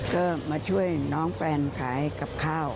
ก็มาช่วยน้องแฟนขายกับข้าว